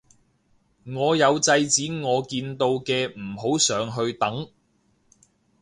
我有制止我見到嘅唔好上去等